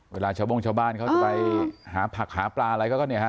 เวลาชาวบ้านเขาจะไปหาผักหาปลาอะไรก็เนี่ยค่ะ